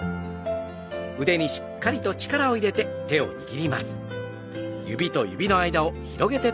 腕にしっかりと力を入れながら握ります。